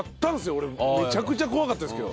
俺めちゃくちゃ怖かったですけど。